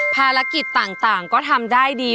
ภารกิจต่างก็ทำได้ดี